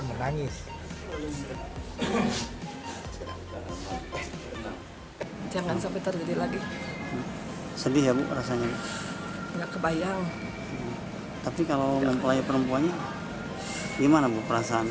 mempelai perempuan menangis